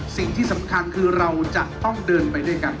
สิ่งที่สำคัญคือเราจะต้องเดินไปด้วยกัน